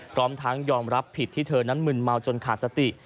พร้อมทั้งยอมรับผิดที่เธอนั้นมึนเมาจนขาดสติ